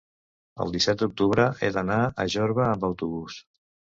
el disset d'octubre he d'anar a Jorba amb autobús.